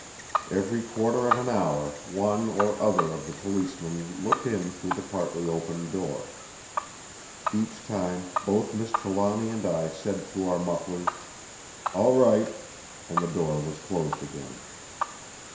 Every quarter of an hour one or other of the policemen looked in through the partly opened door. Each time both Miss Trelawny and I said through our mufflers, "all right," and the door was closed again.